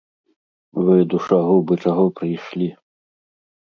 Вы, душагубы, чаго прыйшлі?